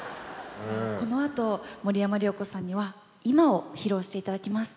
このあと森山良子さんには「今」を披露して頂きます。